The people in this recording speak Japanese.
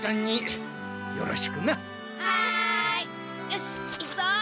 よし行くぞ！